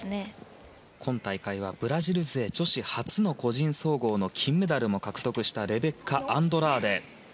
今大会はブラジル勢女子初の個人総合の金を獲得したレベッカ・アンドラーデ。